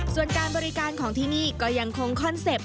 ส่วนการบริการของที่นี่ก็ยังคงคอนเซ็ปต